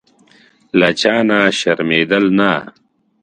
له چا نه شرمېدل نه.